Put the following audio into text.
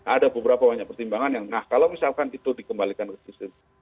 ada beberapa pertimbangan yang nah kalau misalkan itu dikembalikan ke sistem pemilih tertutup